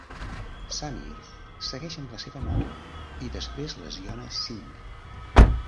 Sameer segueix amb la seva moto i després lesiona Singh.